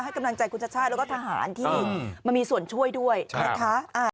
กำลังใจคุณชาติชาติแล้วก็ทหารที่มามีส่วนช่วยด้วยนะคะ